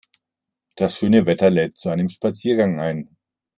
Das schöne Wetter lädt zu einem Spaziergang ein.